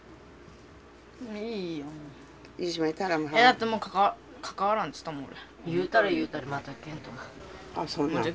だってもう関わらんつったもん俺。